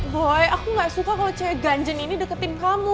boy aku gak suka kalo cewek ganjen ini deketin kamu